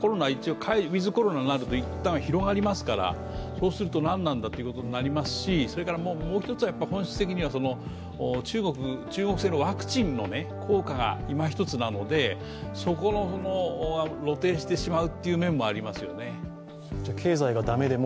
ウィズ・コロナとなると一旦広がりますのでそうするとなんなんだということになりますし、もう一つは本質的には中国製のワクチンの効果が今ひとつなのでそこが露呈してしまう面もありますよね。